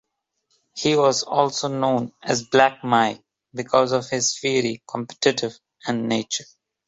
He was also known as "Black Mike" because of his fiery, competitive nature.